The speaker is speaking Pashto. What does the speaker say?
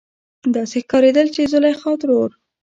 داسې ښکارېدل چې زليخا ترور